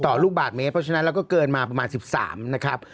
ลูกบาทเมตรเพราะฉะนั้นเราก็เกินมาประมาณ๑๓นะครับ